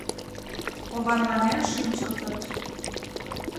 Оварланен шинчылтыт.